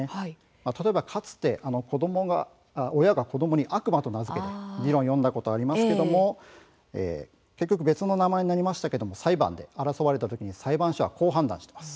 例えば、かつて親が子どもに悪魔と名付けて議論を呼んだことがありますけれども結局、別の名前になりましたが裁判で争われたときに裁判所はこう判断しています。